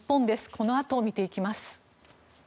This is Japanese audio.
このあと見ていきます。